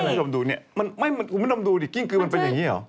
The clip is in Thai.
เอาไงไม่ไม่ต้องดูเนี่ยกิ้งกือมันเป็นอย่างนี้เหรอ